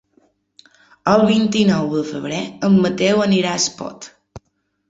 El vint-i-nou de febrer en Mateu anirà a Espot.